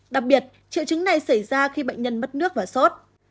đặc biệt triệu chứng này xảy ra khi bệnh nhân mất nước và sốt